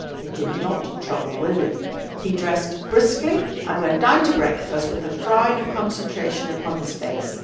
It did not trouble William. He dressed briskly and went down to breakfast with a frown of concentration upon his face.